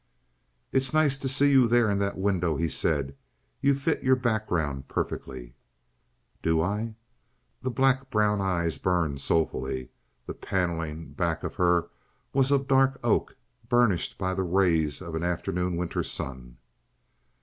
"It's nice to see you there in that window," he said. "You fit your background perfectly." "Do I?" The black brown eyes burned soulfully. The panneling back of her was of dark oak, burnished by the rays of an afternoon winter sun.